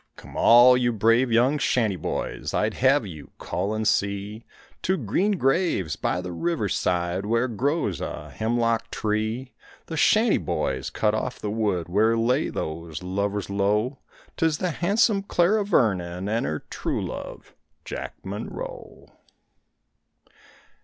Come all you brave young shanty boys, I'd have you call and see Two green graves by the river side where grows a hemlock tree; The shanty boys cut off the wood where lay those lovers low, 'Tis the handsome Clara Vernon and her true love, Jack Monroe.